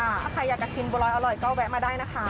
ถ้าใครอยากจะชิมบัวรอยอร่อยก็แวะมาได้นะคะ